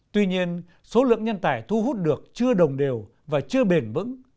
tuy nhiên số lượng nhân tài thu hút được chưa đồng đều và chưa bền vững